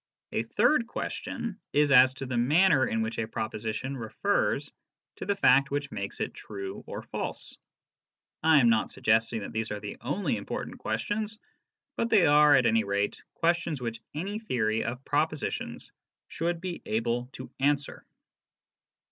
A third question is as to the manner in which a proposition refers to the fact that makes it true or false. I am not suggesting that these are the only important HOW PROPOSITIONS MEAN. 7 questions, but they are, at any rate, questions which any theory of propositions should be able to answer.